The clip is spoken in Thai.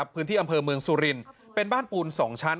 พื้นที่อำเภอเมืองสุรินเป็นบ้านปูน๒ชั้น